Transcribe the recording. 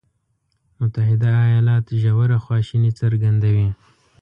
متحده ایالات ژوره خواشیني څرګندوي.